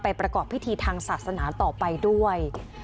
ประกอบพิธีทางศาสนาต่อไปด้วย